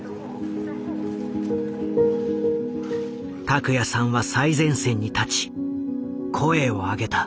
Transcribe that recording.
拓也さんは最前線に立ち声を上げた。